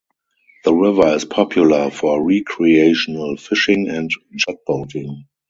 The river is popular for recreational fishing and jetboating.